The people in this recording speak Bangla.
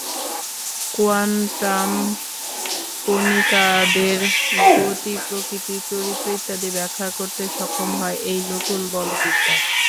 কোয়ান্টাম কণিকাদের গতিপ্রকৃতি, চরিত্র ইত্যাদি ব্যাখ্যা করতে সক্ষম হয় এই নতুন বলবিদ্যা।